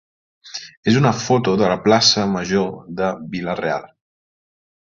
és una foto de la plaça major de Vila-real.